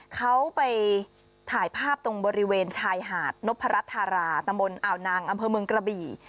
เขาไปถ่ายภาพตรงบริเวณชายหาดนพรัชธาราตำบลอ่าวนางอำเภอเมืองกระบี่